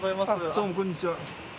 どうもこんにちは。